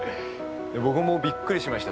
僕もびっくりしました。